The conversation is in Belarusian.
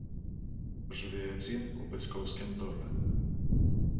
Жыве адзін у бацькоўскім доме.